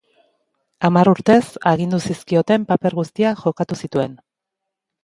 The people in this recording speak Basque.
Hamar urtez, agindu zizkioten paper guztiak jokatu zituen.